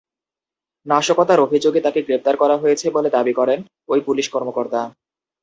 নাশকতার অভিযোগে তাঁকে গ্রেপ্তার করা হয়েছে বলে দাবি করেন ওই পুলিশ কর্মকর্তা।